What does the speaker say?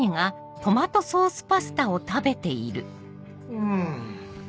うん。